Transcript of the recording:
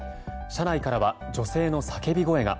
車内からは女性の叫び声が。